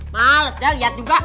males dah liat juga